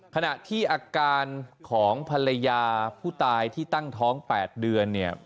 ขณะที่อาการของภรรยาผู้ตายที่ตั้งท้อง๘เดือนเนี่ย